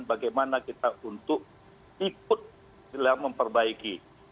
bagaimana kita untuk ikut dalam memperbaiki